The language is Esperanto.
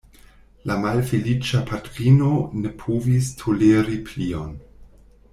La malfeliĉa patrino ne povis toleri plion.